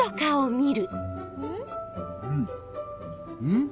うん。